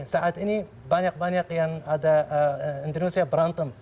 saat ini banyak banyak yang ada indonesia berantem